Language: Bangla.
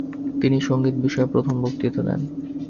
তিনি সঙ্গীত-বিষয়ে প্রথম বক্তৃতা দেন।